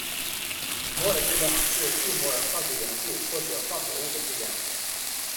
摩尔质量是一摩尔化学元素或者化合物的质量。